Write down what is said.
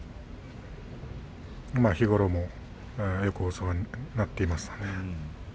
日頃もよく世話になっています。